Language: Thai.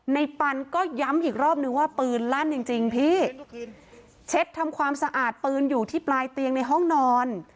ปันก็ย้ำอีกรอบนึงว่าปืนลั่นจริงจริงพี่เช็ดทำความสะอาดปืนอยู่ที่ปลายเตียงในห้องนอน